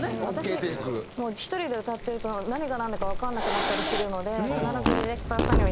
私もう１人で歌ってると何がなんだかわからなくなったりするので。